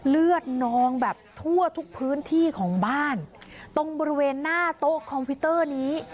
เลือดนองแบบทั่วทุกพื้นที่ของบ้านตรงบริเวณหน้าโต๊ะคอมพิวเตอร์นี้